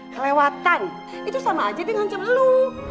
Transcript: kelewatan itu sama aja dengan cerlu